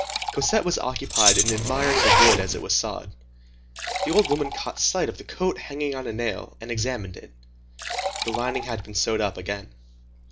Cosette was occupied in admiring the wood as it was sawed. The old woman caught sight of the coat hanging on a nail, and examined it. The lining had been sewed up again.